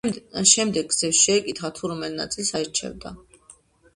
შემდეგ ზევსს შეეკითხა, თუ რომელ ნაწილს აირჩევდა.